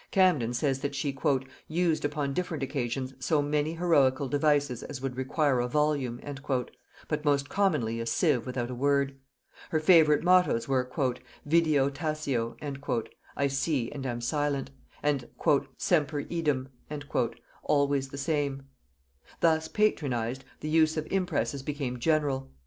Camden says that she "used upon different occasions so many heroical devices as would require a volume," but most commonly a sieve without a word. Her favorite mottos were "Video taceo" (I see and am silent), and "Semper eadem" (Always the same). Thus patronized, the use of impresses became general.